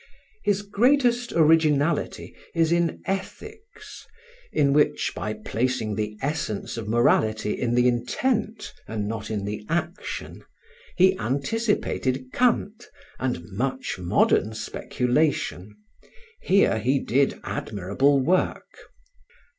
His greatest originality is in 'Ethics,' in which, by placing the essence of morality in the intent and not in the action, he anticipated Kant and much modern speculation. Here he did admirable work.